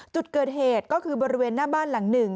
จุดเกิดเหตุก็คือบริเวณหน้าบ้านหลังหนึ่ง